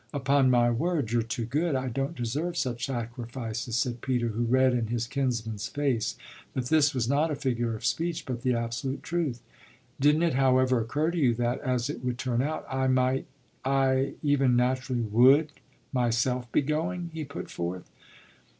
"Upon my word you're too good I don't deserve such sacrifices," said Peter, who read in his kinsman's face that this was not a figure of speech but the absolute truth. "Didn't it, however, occur to you that, as it would turn out, I might I even naturally would myself be going?" he put forth.